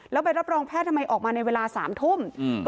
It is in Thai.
แล้วไปรับรองแพทย์ทำไมออกมาในเวลา๓ทุ่ม